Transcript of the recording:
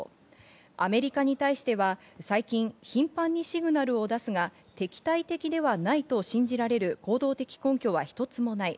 アメリカに対しては最近、頻繁にシグナルを出すが、敵対的ではないと信じられる行動的根拠は１つもない。